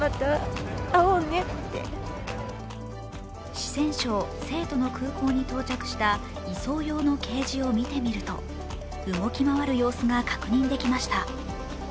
四川省・成都の空港に到着した移送用のケージを見てみると動き回る様子が確認できました。